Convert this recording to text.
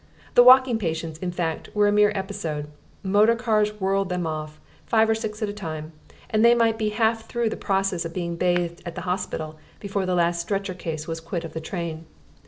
The walking patients, in fact, were a mere episode. Motor cars whirled them off, five or six at a time, and they might be half through the process of being bathed at the hospital before the last stretcher case was quit of the train.